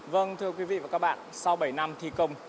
vâng thưa quý vị và các bạn sau bảy năm thi công